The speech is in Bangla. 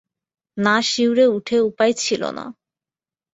না শিউরে উঠে উপায় ছিল না।